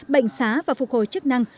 bệnh xá và phục hồi chức năng